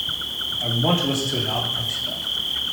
I want to listen to an album from Sibel.